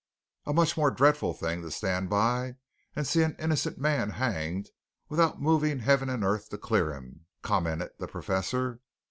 "A much more dreadful thing to stand by and see an innocent man hanged, without moving heaven and earth to clear him," commented the Professor.